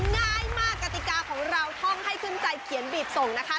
ง่ายมากกติกาของเราท่องให้ขึ้นใจเขียนบีบส่งนะคะ